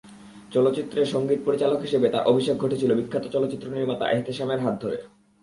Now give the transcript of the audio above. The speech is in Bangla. চলচ্চিত্রে সংগীত পরিচালক হিসেবে তাঁর অভিষেক ঘটেছিল বিখ্যাত চলচ্চিত্রনির্মাতা এহতেশামের হাত ধরে।